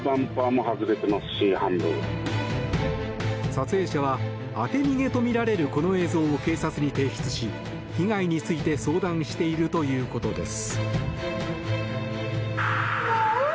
撮影者は、当て逃げとみられるこの映像を警察に提出し被害について相談しているということです。